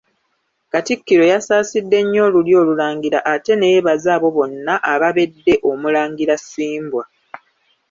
Katikkiro yasaasidde nnyo olulyo Olulangira ate neyeebaza abo bonna ababedde Omulangira Ssimbwa.